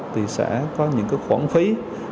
thì sẽ có những khoản phí